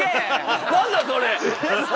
何だそれ！